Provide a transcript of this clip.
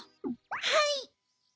はい！